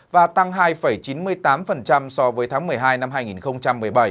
và tăng hai chín mươi tám so với tháng một mươi hai năm hai nghìn một mươi bảy